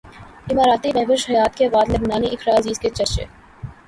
اماراتی مہوش حیات کے بعد لبنانی اقرا عزیز کے چرچے